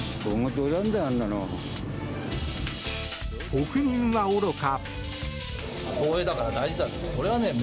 国民はおろか。